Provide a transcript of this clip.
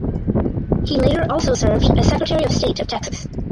He later also served as Secretary of State of Texas.